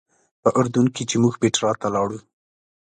په اردن کې چې موږ پیټرا ته لاړو.